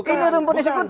ini rumput disekutif